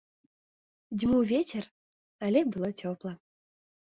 Дзьмуў вецер, але было цёпла.